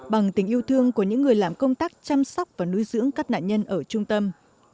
bằng tình yêu thương của những người làm công tác chăm sóc và nuôi dưỡng các nạn nhân ở trung tâm